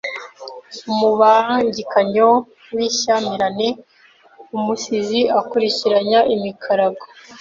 Umubangikanyo w’inshyamirane: umusizi akurikiranya imikarago